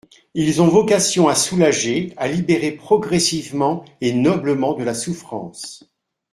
Ils ont vocation à soulager, à libérer progressivement et noblement de la souffrance.